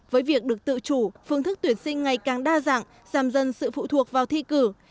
với việc được tự chủ phương thức tuyển sinh ngày càng đa dạng giảm dần sự phụ thuộc vào thi cử